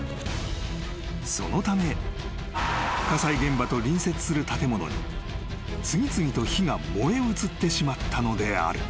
［そのため火災現場と隣接する建物に次々と火が燃え移ってしまったのである］